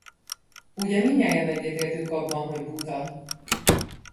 Ugye, mindnyájan egyetértünk abban, hogy buta?